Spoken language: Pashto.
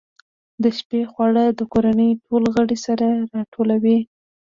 د شپې خواړه د کورنۍ ټول غړي سره راټولوي.